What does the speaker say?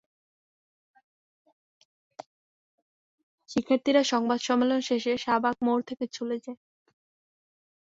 শিক্ষার্থীরা সংবাদ সম্মেলন শেষে শাহবাগ মোড় থেকে চলে যায়।